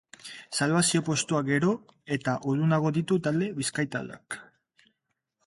Salbazio postuak gero eta urrunago ditu talde bizkaitarrak.